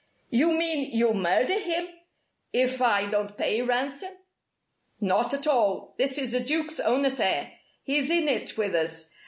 "You mean you'll murder him if I don't pay ransom!" "Not at all. This is the Duke's own affair. He's in it with us.